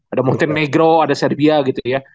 ada montenegro ada serbia gitu ya